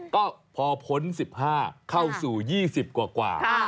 ก็พอพ้น๑๕เข้าสู่๒๐กว่า